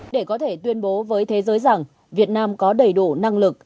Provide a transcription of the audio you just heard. để có thể tuyên bố với thế giới rằng việt nam có đầy đủ năng lực